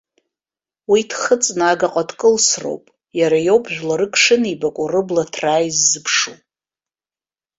Уи дхыҵны агаҟа дкылсроуп, иара иоуп жәларык шынеибаку рыбла ҭраа иззыԥшу.